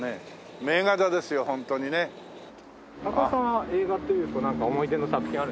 高田さんは映画っていうとなんか思い出の作品ある？